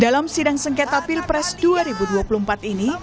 dalam sidang sengketa pilpres dua ribu dua puluh empat ini